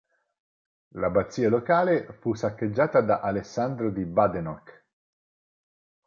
L'abbazia locale fu saccheggiata da Alessandro di Badenoch.